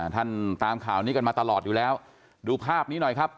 ตามข่าวนี้กันมาตลอดอยู่แล้วดูภาพนี้หน่อยครับ